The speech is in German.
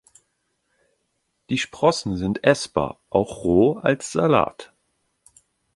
Die Sprossen sind essbar, auch roh als Salat.